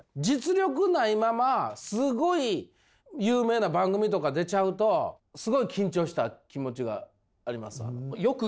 実力ないまますごい有名な番組とか出ちゃうとすごい緊張した気持ちがありますわ。